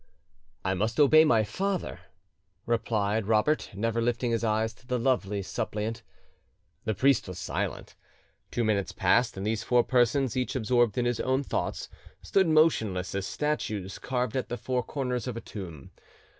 "I must obey my father," Robert replied, never lifting his eyes to the lovely suppliant. The priest was silent. Two minutes passed, and these four persons, each absorbed in his own thoughts, stood motionless as statues carved at the four corners of a tomb.